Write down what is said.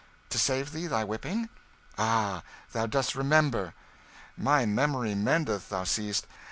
To save thee thy whipping?" "Ah, thou dost remember!" "My memory mendeth, thou seest.